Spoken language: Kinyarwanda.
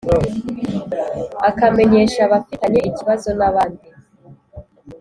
akamenyesha abafitanye ikibazo n abandi